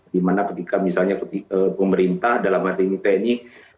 di mana ketika misalnya pemerintah dalam hal ini tni